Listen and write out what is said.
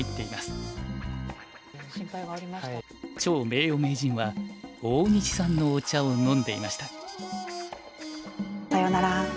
趙名誉名人は大西さんのお茶を飲んでいました。